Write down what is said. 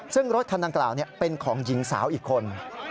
ซึ่งรถคันดังกล่าวเป็นของหญิงสาวอีกคน